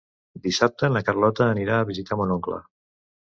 Dissabte na Carlota anirà a visitar mon oncle.